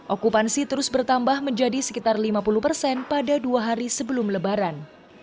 okupansi terus bertambah menjadi sekitar lima puluh persen pada dua hari sebelum lebaran